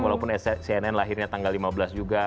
walaupun cnn lahirnya tanggal lima belas juga